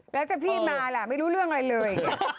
และแต่พี่น้ำนุ่มมาล่ะไม่รู้เรื่องอะไรเลย